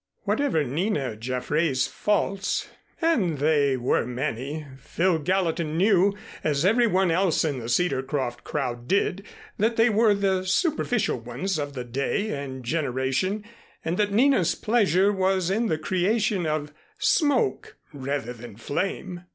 Whatever Nina Jaffray's faults, and they were many, Phil Gallatin knew, as every one else in the Cedarcroft crowd did, that they were the superficial ones of the day and generation and that Nina's pleasure was in the creation of smoke rather than flame.